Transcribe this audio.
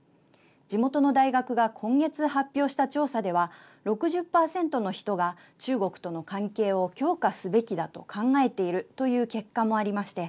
地元の大学が今月発表した調査では６０％の人が中国との関係を強化すべきだと考えているという結果もありまして